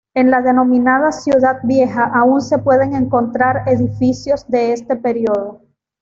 En la denominada "Ciudad Vieja" aún se pueden encontrar edificios de este periodo.